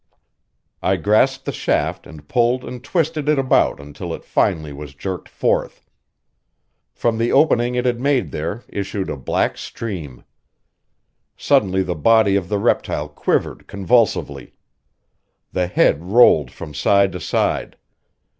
I grasped the shaft and pulled and twisted it about until it finally was jerked forth. From the opening it had made there issued a black stream. Suddenly the body of the reptile quivered convulsively. The head rolled from side to side.